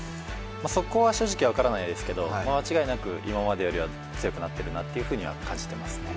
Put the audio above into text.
そこは正直分からないですけど、間違いなく今までよりは強くなってるなという風には感じています。